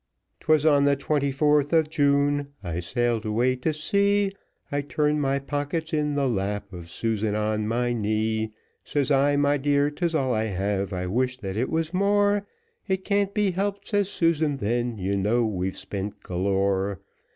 Twas on the twenty fourth of June, I sailed away to sea, I turned my pockets in the lap of Susan on my knee; Says I, my dear, 'tis all I have, I wish that it was more, It can't be helped, says Susan then, you know we've spent galore.